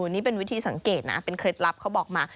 นี่เป็นวิธีสังเกตนะเป็นเคล็ดลับเขาบอกมา